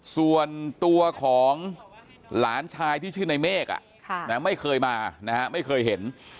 ส่วนตัวของหลานชายที่ชื่อในเมฆไม่เคยมานะฮะไม่เคยเห็น